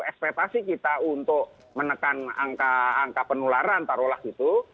ekspektasi kita untuk menekan angka penularan taruhlah gitu